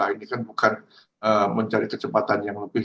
ini kan bukan mencari kecepatan yang lebih